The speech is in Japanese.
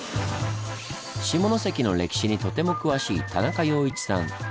下関の歴史にとても詳しい田中洋一さん。